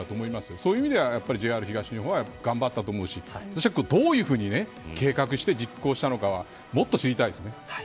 そういう意味ではＪＲ東日本は頑張ったと思うしどういうふうに計画して実行したのかはもっと知りたいですね。